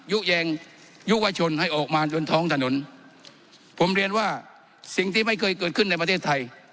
ยุแยงยุวชนให้ออกมาจนท้องถนนผมเรียนว่าสิ่งที่ไม่เคยเกิดขึ้นในประเทศไทย